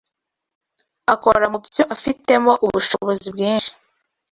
akora mu byo afitemo ubushobozi bwinshi